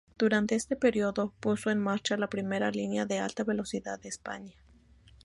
Durante este periodo, puso en marcha la primera línea de alta velocidad de España.